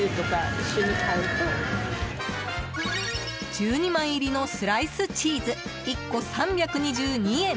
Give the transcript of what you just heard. １２枚入りのスライスチーズ１個３２２円。